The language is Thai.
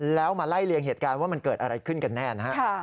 แล้วมาไล่เลียงเหตุการณ์ว่ามันเกิดอะไรขึ้นกันแน่นะฮะ